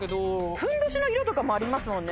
ふんどしの色とかもありますもんね。